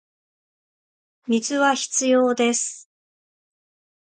水は必要です